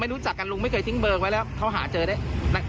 ไม่รู้จักกันลุงไม่เกิดทิ้งเบอร์ไว้แล้วเขาหาเจอเมื่อ